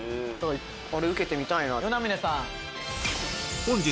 あれ受けてみたいな。